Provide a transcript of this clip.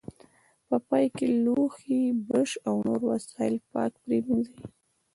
په پای کې لوښي، برش او نور وسایل پاک پرېمنځئ.